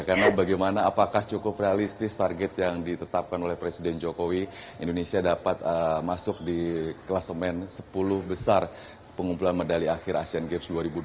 karena bagaimana apakah cukup realistis target yang ditetapkan oleh presiden jokowi indonesia dapat masuk di kelasemen sepuluh besar pengumpulan medali akhir asean games dua ribu dua puluh dua